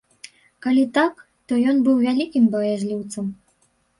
Калі так, то ён быў вялікім баязліўцам.